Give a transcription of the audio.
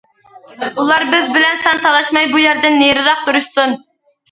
ئۇلار بىز بىلەن سان تالاشماي، بۇ يەردىن نېرىراق تۇرۇشسۇن.